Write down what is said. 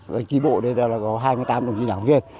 và trí bộ đây là có hai mươi tám đồng chí giảng viên